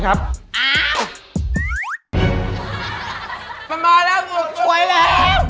มันมาแล้วตัวช่วยแล้ว